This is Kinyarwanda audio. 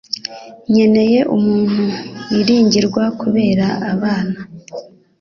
Nkeneye umuntu wiringirwa kurera abana